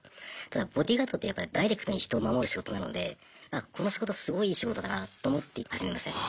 ただボディーガードってダイレクトに人を守る仕事なのでこの仕事すごいいい仕事だなと思って始めましたね。